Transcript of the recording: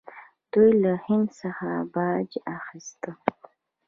دوی له هند څخه باج اخیست